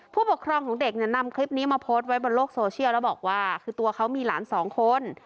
ผู้ปกครองของเด็กเนี่ยนำคลิปนี้มาโพสต์ไว้บนโลกโซเชียลแล้วบอกว่าคือตัวเขามีหลานสองคน